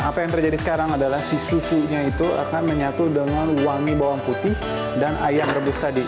apa yang terjadi sekarang adalah si susunya itu akan menyatu dengan wangi bawang putih dan ayam rebus tadi